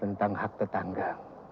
tentang hak tetangga